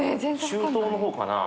中東のほうかな？